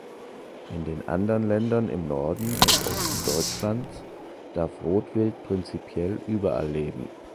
In den anderen Ländern im Norden und Osten Deutschlands darf Rotwild prinzipiell überall leben.